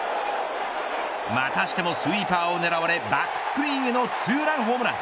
またしてもスイーパーを狙われバックスクリーンへのツーランホームラン。